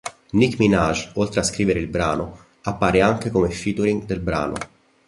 Nicki Minaj, oltre a scrivere il brano, appare anche come featuring del brano.